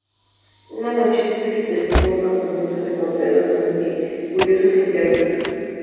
Una noche, Spirit descubre un campamento de cuatreros en el que, curioso, se interna.